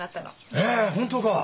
えっ本当か？